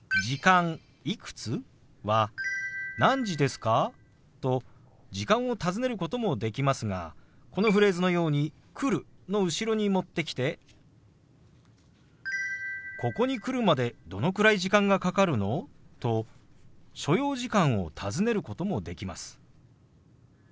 「時間いくつ？」は「何時ですか？」と時間を尋ねることもできますがこのフレーズのように「来る」の後ろに持ってきて「ここに来るまでどのくらい時間がかかるの？」と所要時間を尋ねることもできます。